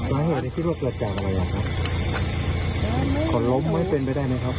พี่ป้าติดใจไหมครับ